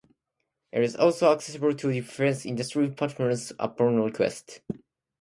It is also accessible to defence industry partners upon request.